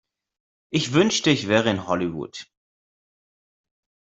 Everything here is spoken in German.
Ich wünschte, ich wäre in Hollywood.